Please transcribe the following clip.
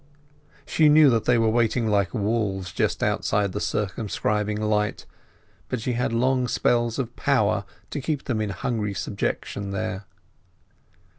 She knew that they were waiting like wolves just outside the circumscribing light, but she had long spells of power to keep them in hungry subjection there.